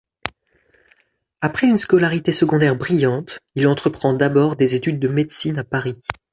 Après une scolarité secondaire brillante, il entreprend d'abord des études de médecine à Paris.